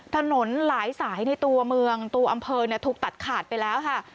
ถนนหลายสายในตัวเมืองตัวอำเภอถูกตัดขาดไปแล้วค่ะ